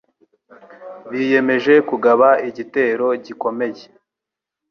Biyemeje kugaba igitero gikomeye.